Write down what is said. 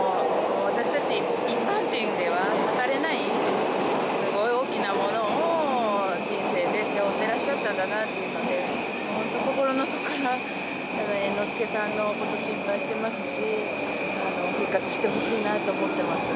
私たち一般人では計れない、すごい大きなものを人生で背負ってらっしゃったんだなっていうので、もう本当、心の底から猿之助さんのこと心配してますし、復活してほしいなって思ってます。